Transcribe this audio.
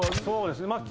そうですね。